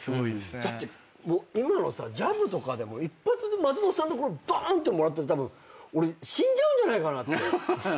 だって今のさジャブとかでも一発松本さんのバン！ってもらったらたぶん俺死んじゃうんじゃないかなって。